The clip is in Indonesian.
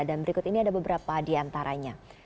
dan berikut ini ada beberapa di antaranya